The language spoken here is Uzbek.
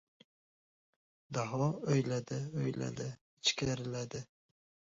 Daho o‘yladi-o‘yladi, ichkariladi.